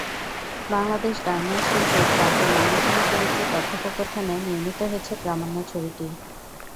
Bangladesh garments শিল্পের চারজন অন্যতম চরিত্রের কথোপকথনে নির্মিত হয়েছে প্রামাণ্য ছবিটি।